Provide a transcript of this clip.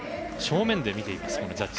正面でみています。